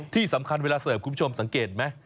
ที่สำคัญเวลาเสิร์ฟคุณผู้ชมสังเกตไหม